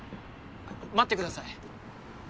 待ってください。